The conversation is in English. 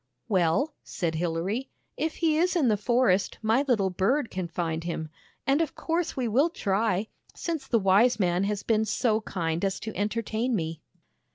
" Well," said Hilary, " if he is in the forest, my little bird can find him; and of course we will try, since the wise man has been so kind as to entertain me."